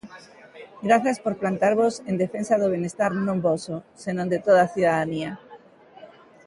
Grazas por plantarvos en defensa do benestar non voso, senón de toda a cidadanía.